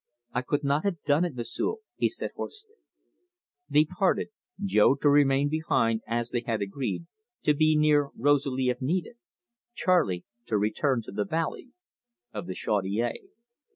"I could not have done it, M'sieu'," he said hoarsely. They parted, Jo to remain behind as they had agreed, to be near Rosalie if needed; Charley to return to the valley of the Chaudiere.